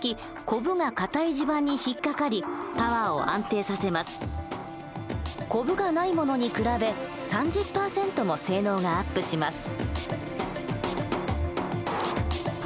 こぶが無いものに比べ３０％も性能がアップします。